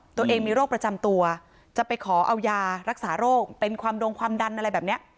ตัวเองมีโรคประจำตัวจะไปขอเอายารักษาโรคเป็นความดงความดันอะไรแบบนี้